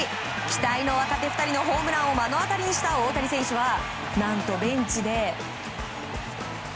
期待の若手２人のホームランを目の当たりにした大谷選手は、何とベンチで。